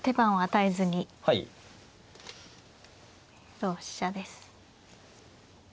同飛車です。